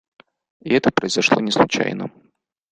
И это произошло не случайно.